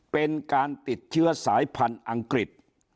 เป็นการติดเชื้อสายพันธุ์อังกฤษ